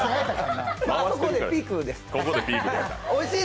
あそこでピークでした。